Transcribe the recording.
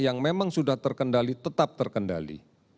yang memang sudah terkendali tetap terkendali